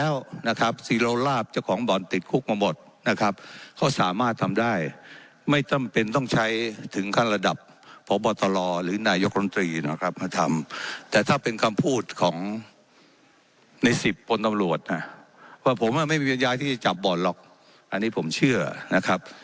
ว่าผมไม่มีบริญญาณที่จะจับบ่นหรอกอันนี้ผมเชื่อนะครับ